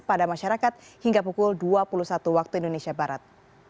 pada masyarakat hingga pukul dua puluh satu waktu indonesia barat